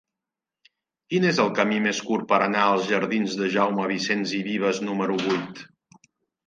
Quin és el camí més curt per anar als jardins de Jaume Vicens i Vives número vuit?